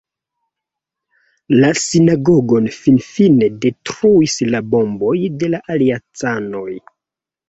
La sinagogon finfine detruis la bomboj de la Aliancanoj.